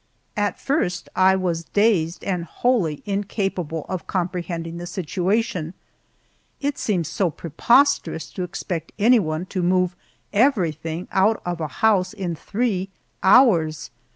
At first I was dazed and wholly incapable of comprehending the situation it seemed so preposterous to expect anyone to move everything out of a house in three hours.